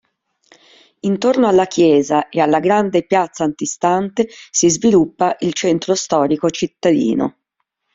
Intorno alla chiesa, e alla grande piazza antistante, si sviluppa il centro storico cittadino.